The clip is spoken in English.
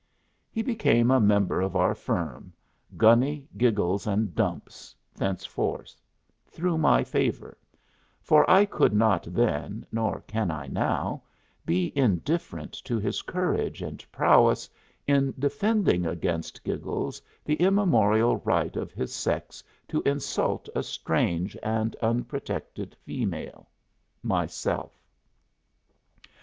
He became a member of our firm "Gunny, Giggles, and Dumps" thenceforth through my favor; for I could not then, nor can I now, be indifferent to his courage and prowess in defending against Giggles the immemorial right of his sex to insult a strange and unprotected female myself.